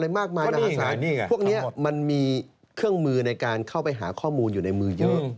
มากมายมหาศาลพวกนี้มันมีเครื่องมือในการเข้าไปหาข้อมูลอยู่ในมือเยอะ